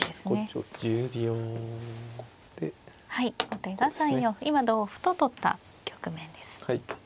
はい後手が３四歩今同歩と取った局面です。